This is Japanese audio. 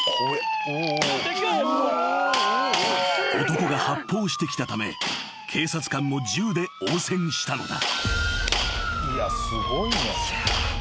［男が発砲してきたため警察官も銃で応戦したのだ］